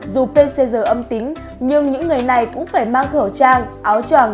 dù pcr âm tính nhưng những người này cũng phải mang khẩu trang áo tràng